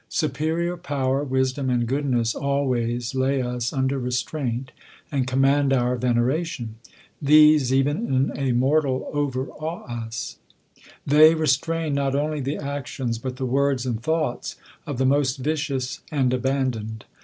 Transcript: Superior power, wisdom, and goodness, always lay us under restraint, and command our vene ration. These, even in a mortal, overaw^e us. They restrain not only the actions, butjhe words and thoughts of the most vicious and abandonee.